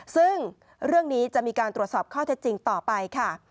ซึ่งเรื่องนี้จะมีการตรวจสอบข้อเท็จจริงต่อไปค่ะ